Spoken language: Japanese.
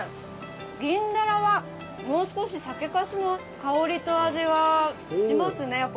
銀だらはもう少し酒粕の香りと味はしますね。